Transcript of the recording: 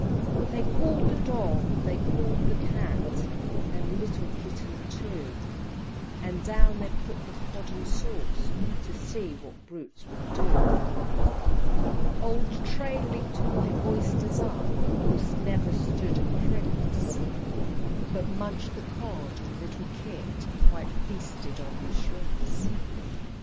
XV. They called the Dog, they called the Cat, And little Kitten too, And down they put the Cod and sauce, To see what brutes would do. XVI. Old Tray licked all the oysters up, Puss never stood at crimps, But munched the Cod and little Kit Quite feasted on the shrimps!